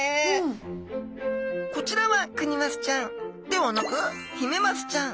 こちらはクニマスちゃんではなくヒメマスちゃん。